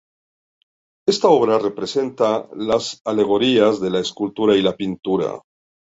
Esta obra, representa las alegorías de la escultura y la Pintura.